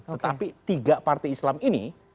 tetapi tiga partai islam ini